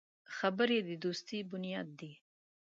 خبرې د دوستي بنیاد دی